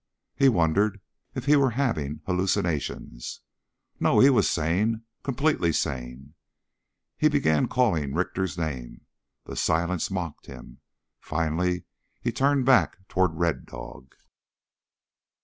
He wondered if he were having hallucinations. No, he was sane ... completely sane. He began calling Richter's name. The silence mocked him. Finally he turned back toward Red Dog.